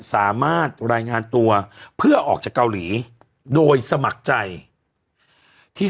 สามารถรายงานตัวเพื่อออกจากเกาหลีโดยสมัครใจที่